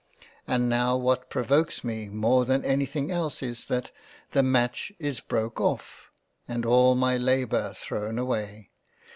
And now what provokes me more than anything else is that the Match is broke off, and all my Labour thrown away.